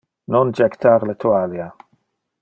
Non jectar le toalia.